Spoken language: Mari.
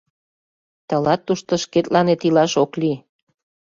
— Тылат тушто шкетланет илаш ок лий.